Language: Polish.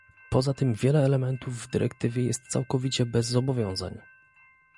Poza tym wiele elementów w dyrektywie jest całkowicie bez zobowiązań